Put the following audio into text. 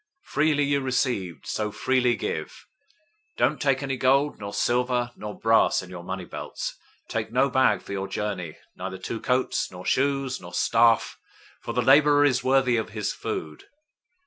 Freely you received, so freely give. 010:009 Don't take any gold, nor silver, nor brass in your money belts. 010:010 Take no bag for your journey, neither two coats, nor shoes, nor staff: for the laborer is worthy of his food.